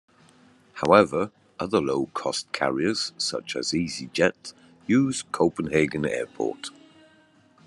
However other low cost carriers such as easyJet use Copenhagen Airport.